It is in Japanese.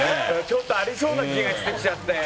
「ちょっとありそうな気がしてきちゃったよ」